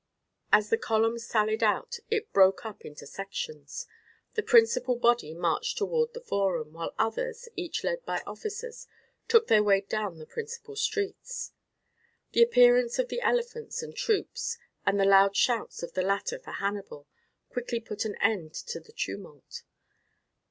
As the column sallied out it broke up into sections. The principal body marched toward the forum, while others, each led by officers, took their way down the principal streets. The appearance of the elephants and troops, and the loud shouts of the latter for Hannibal, quickly put an end to the tumult.